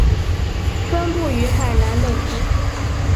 分布于海南等地。